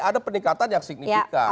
ada peningkatan yang signifikan